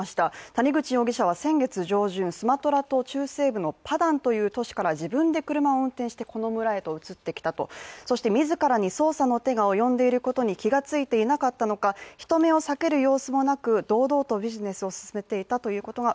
谷口容疑者は先月上旬スマトラ島中西部のパダンという都市から自分で車を運転してこの村へと移ってきたと、そして自らに捜査の手が及んでいることに気がついていなかったのか、人目を避けるようすもなく堂々とビジネスを進めていたということが